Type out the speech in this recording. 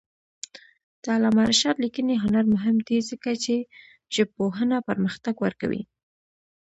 د علامه رشاد لیکنی هنر مهم دی ځکه چې ژبپوهنه پرمختګ ورکوي.